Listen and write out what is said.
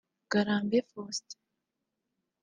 Ngarambe Faustin